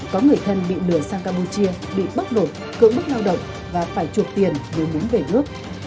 có người thân bị lừa sang campuchia bị bốc đột cưỡng bức lao động và phải chuột tiền để muốn về nước